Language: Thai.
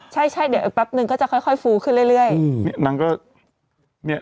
ใช่เดี๋ยวอีกปั๊บหนึ่งก็จะค่อยฟูขึ้นเรื่อยนางก็เนี่ย